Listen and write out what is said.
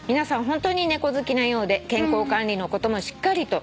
ホントに猫好きなようで健康管理のこともしっかりと」